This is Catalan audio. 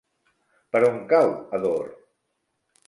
Per on cau Ador?